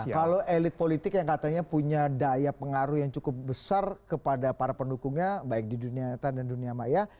kalau elit politik yang katanya punya daya pengaruh yang cukup besar kepada para pendukungnya baik di dunia nyata dan dunia maya